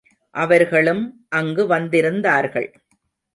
அவர்களும் அங்கு வந்திருந்தார்கள்.